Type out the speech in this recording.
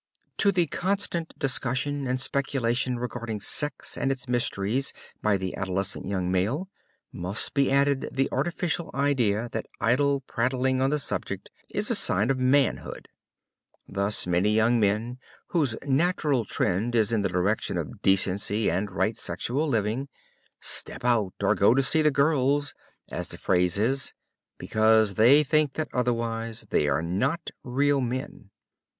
To the constant discussion and speculation regarding sex and its mysteries by the adolescent young male, must be added the artificial idea that idle prattling on the subject is a sign of "manhood." Thus many young men whose natural trend is in the direction of decency and right sexual living, "step out" or "go to see the girls," as the phrase is, because they think that otherwise "they are not real men."